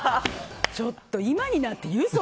ちょっと、今になって言う？